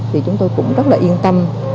thì chúng tôi cũng rất là yên tâm